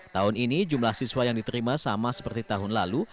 tahun ini jumlah siswa yang diterima sama seperti tahun lalu